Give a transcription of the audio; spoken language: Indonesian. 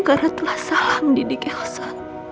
karena telah salam didik elsa